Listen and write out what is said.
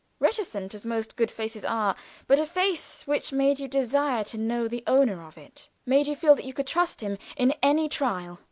Reticent, as most good faces are, but a face which made you desire to know the owner of it, made you feel that you could trust him in any trial.